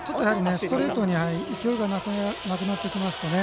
ストレートに勢いがなくなってきましたね。